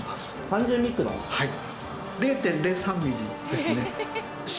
はい。